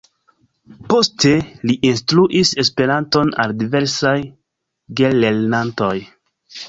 Poste, li instruis Esperanton al diversaj gelernantoj.